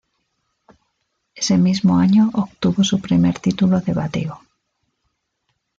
Ese mismo año obtuvo su primer título de bateo.